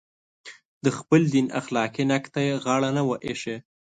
د خپل دین اخلاقي نقد ته یې غاړه نه وي ایښې.